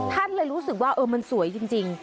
ท่านเลยรู้สึกว่ามันสวยจริง